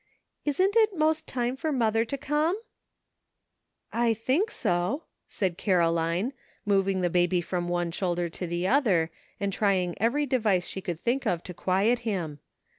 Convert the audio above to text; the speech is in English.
Isn't it most time for mother to come ?"" I think so," said Caroline, moving the baby from one shoulder to the other, and trying every device she could think of to quiet him.